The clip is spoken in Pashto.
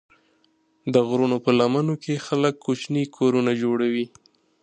د غرونو په لمنو کې خلک کوچني کورونه جوړوي.